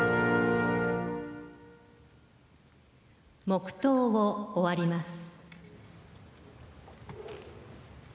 黙祷を終わります。